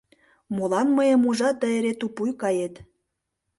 — Молан мыйым ужат да эре тупуй кает?